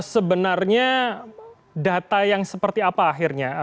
sebenarnya data yang seperti apa akhirnya